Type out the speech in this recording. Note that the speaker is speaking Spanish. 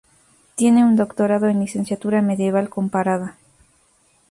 Tiene un doctorado en literatura medieval comparada.